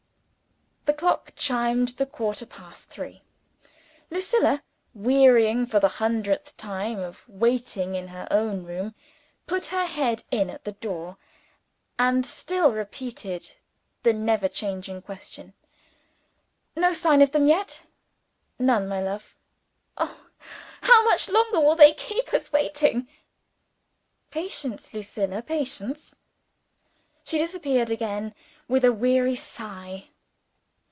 The clock chimed the quarter past three. Lucilla, wearying, for the hundredth time of waiting in her own room, put her head in at the door, and still repeated the never changing question "No signs of them yet?" "None, my love." "Oh, how much longer will they keep us waiting!" "Patience, Lucilla patience!" She disappeared again, with a weary sigh.